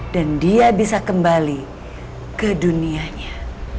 dan dia bisa kembali ke dunianya